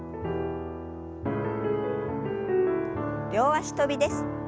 両脚跳びです。